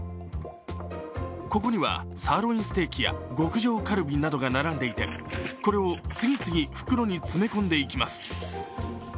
ここにはサーロインステーキや極上カルビなどが並んでいてこれを次々袋に詰め込んでいきます。